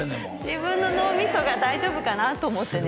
自分の脳みそが大丈夫かなと思ってね